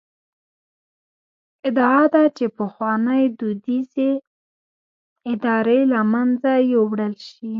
ادعا ده چې پخوانۍ دودیزې ادارې له منځه یووړل شي.